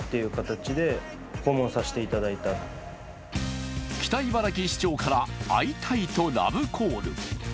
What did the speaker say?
更に北茨城市長から会いたいとラブコール。